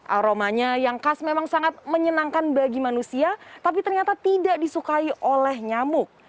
aromanya yang khas memang sangat menyenangkan bagi manusia tapi ternyata tidak disukai oleh nyamuk